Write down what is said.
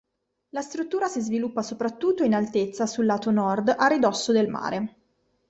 La struttura si sviluppa soprattutto in altezza sul lato nord a ridosso del mare.